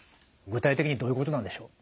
具体的にどういうことなんでしょう？